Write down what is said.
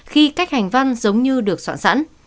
khi cách hành văn giống như được soạn sẵn